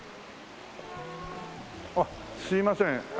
あっすいません。